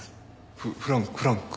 フフランフランク？